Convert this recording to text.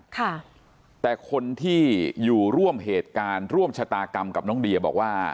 ค่ะแต่คนที่อยู่ร่วมเหตุการณ์ร่วมชะตากรรมกับน้องเดียบอกว่า